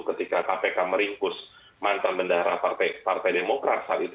ketika kpk meringkus mantan bendahara partai demokrat saat itu